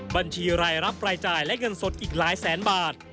บัญชีรายรับรายจ่ายและเงินสดอีกหลายแสนบาท